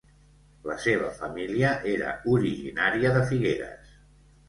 La seva família era originària de Figueres.